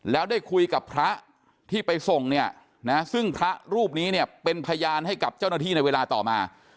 แล้วได้คุยกับพระที่ไปส่งเนี่ยนะซึ่งพระรูปนี้เนี่ยเป็นพยานให้กับเจ้าหน้าที่ในเวลาต่อมา